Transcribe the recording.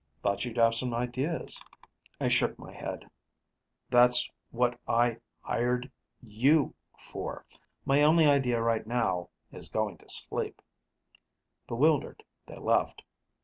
"Thought you'd have some ideas." I shook my head. "That's what I hired you for. My only idea right now is going to sleep." Bewildered, they left.